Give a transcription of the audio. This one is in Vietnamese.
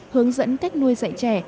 hướng dẫn cách nuôi dạy trẻ